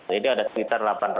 jadi ada sekitar